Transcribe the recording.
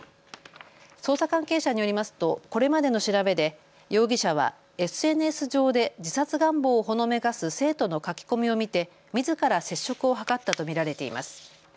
捜査関係者によりますとこれまでの調べで容疑者はＳＮＳ上で自殺願望をほのめかす生徒の書き込みを見てみずから接触を図ったと見られています。